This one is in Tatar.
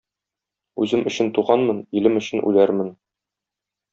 Үзем өчен туганмын, илем өчен үләрмен.